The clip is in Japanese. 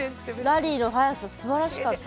ラリーの速さ素晴らしかった。